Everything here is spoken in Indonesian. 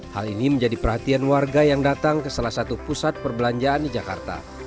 hal ini menjadi perhatian warga yang datang ke salah satu pusat perbelanjaan di jakarta